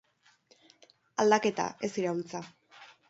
Aldaketa, ez iraultza.